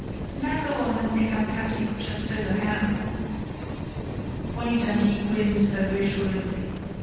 Now go on and think I'm catty, which I suppose I am!" Bonnie Dundee grinned at her reassuringly.